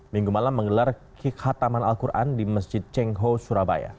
minggu malam menggelar kikhataman al quran di masjid cengho surabaya